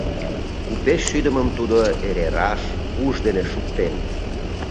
Купеч шӱдымым тудо эре раш, уш дене шуктен.